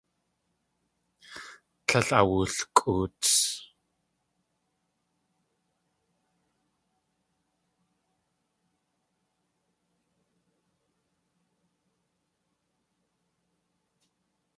Tlél awulkʼoots.